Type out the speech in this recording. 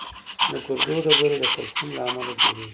د ګردو ډبرې د کلسیم له امله جوړېږي.